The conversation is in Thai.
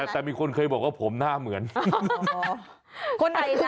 ๒ตัวตุ๊ก